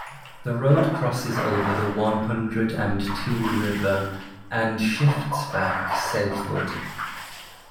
The road crosses over the One Hundred and Two River and shifts back southward.